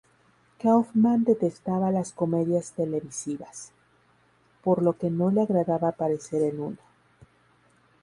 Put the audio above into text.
Kaufman detestaba las comedias televisivas, por lo que no le agradaba aparecer en una.